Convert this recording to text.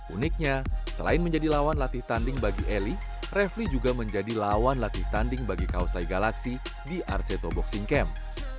uniknya selain menjadi lawan latih tanding bagi eli refli juga menjadi lawan latih tanding bagi kausai galaksi di arseto boxing camp